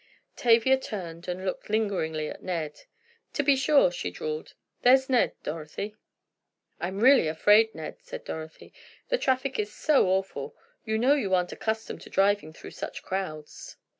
Tavia turned and looked lingeringly at Ned. "To be sure," she drawled, "there's Ned, Dorothy." "I'm really afraid, Ned," said Dorothy, "the traffic is so awful, you know you aren't accustomed to driving through such crowds."